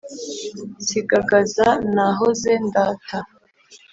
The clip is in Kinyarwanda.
Sigagaza nahoze ndata